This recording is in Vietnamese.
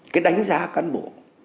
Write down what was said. cái đánh giá cán bộ